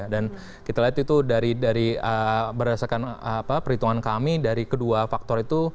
dan kita lihat itu berdasarkan perhitungan kami dari kedua faktor itu